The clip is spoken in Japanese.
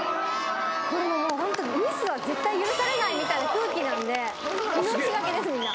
もうホントミスは絶対許されないみたいな空気なんで命懸けですみんな。